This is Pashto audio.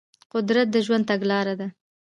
قدرت د ژوند تګلاره ده.